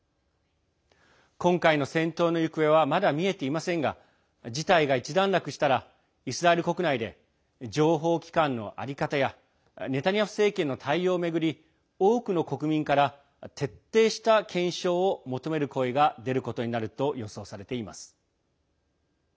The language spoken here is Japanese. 今回の戦闘の行方はまだ見えていませんが事態が一段落したらイスラエル国内で情報機関の在り方やネタニヤフ政権の対応を巡り多くの国民から徹底した検証を求める声が出ることになると予想されています。